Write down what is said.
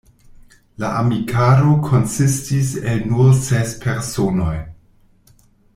La amikaro konsistis el nur ses personoj.